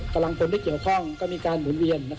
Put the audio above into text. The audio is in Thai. กำลังพลที่เกี่ยวข้องก็มีการหมุนเวียน